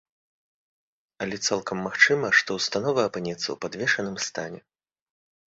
Але цалкам магчыма, што ўстанова апынецца ў падвешаным стане.